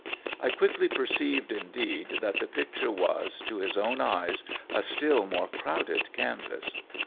I quickly perceived, indeed, that the picture was, to his own eyes, a still more crowded canvas.